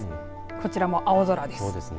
こちらも青空です。